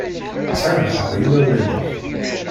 Sεan lḥeqq yimawlan-ik.